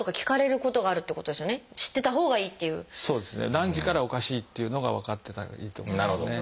何時からおかしいっていうのが分かってたほうがいいと思いますね。